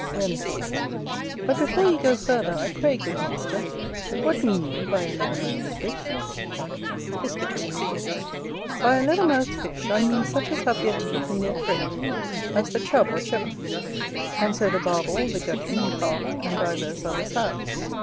Venator. But before you go further, I pray, good master, what mean you by a leather mouthed fish? Piscator. By a leather mouthed fish, I mean such as have their teeth in their throat, as the Chub or Cheven: and so the Barbel, the Gudgeon, and Carp, and divers others have.